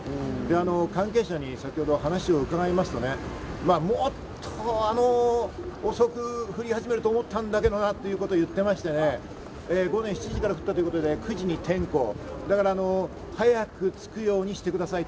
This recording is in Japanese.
関係者に先ほど話を伺いますとね、もっと遅く降り始めると思ったんだけどなということを言ってましてね、午前７時から降ったということで９時に点呼、早く着くようにしてくださいと。